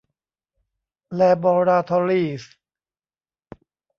แลบอราทอรีส์